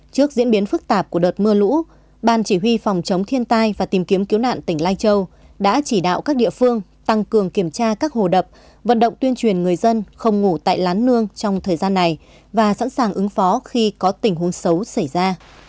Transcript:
trước diễn biến phức tạp của đợt mưa lũ ban chỉ huy phòng chống thiên tai và tìm kiếm cứu nạn tỉnh lai châu đã chỉ đạo các địa phương tăng cường kiểm tra các hồ đập vận động tuyên truyền người dân không ngủ tại lán nương trong thời gian này và sẵn sàng ứng phó khi có tình huống xấu xảy ra